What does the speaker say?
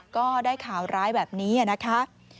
ก็ได้ข่าวร้ายแบบนี้นะคะ